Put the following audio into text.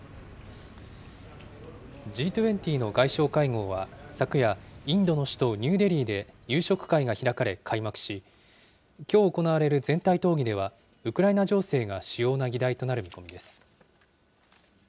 Ｇ２０の外相会合は昨夜、インドの首都ニューデリーで、夕食会が開かれ開幕し、きょう行われる全体討議では、ウクライナ情勢が主要な議題となる見込みです。